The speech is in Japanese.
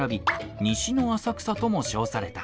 西の浅草とも称された。